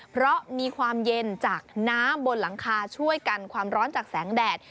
เพราะมีความเย็นจากน้ำบนหลังคาช่วยกันความร้อนจากแสงแดด